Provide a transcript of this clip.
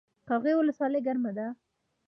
قرغیو ولسوالۍ ګرمه ده؟